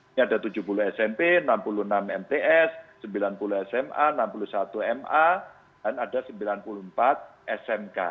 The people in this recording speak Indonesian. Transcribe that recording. ini ada tujuh puluh smp enam puluh enam mts sembilan puluh sma enam puluh satu ma dan ada sembilan puluh empat smk